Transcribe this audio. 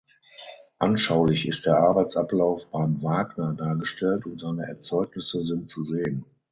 Anschaulich ist der Arbeitsablauf beim Wagner dargestellt und seine Erzeugnisse sind zu sehen.